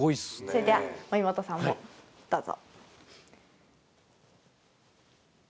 それでは森本さんもどうぞ。